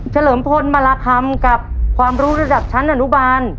เลิมพลมาราคำกับความรู้ระดับชั้นอนุบาล